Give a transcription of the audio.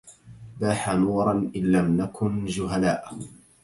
باح نُوراً إن لم نكن جُهَلاءَ